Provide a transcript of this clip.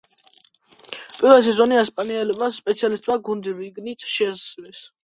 პირველივე სეზონში ესპანელმა სპეციალისტმა გუნდი რანგით მესამე ჩემპიონატიდან მეორეში გადაიყვანა.